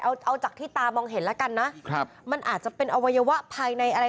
เอาเอาจากที่ตามองเห็นแล้วกันนะครับมันอาจจะเป็นอวัยวะภายในอะไร